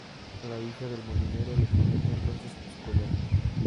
La hija del molinero le promete entonces su collar.